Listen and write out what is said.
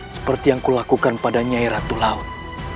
seperti yang kulakukan pada nyai ratu laut